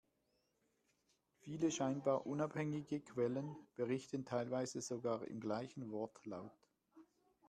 Viele scheinbar unabhängige Quellen, berichten teilweise sogar im gleichen Wortlaut.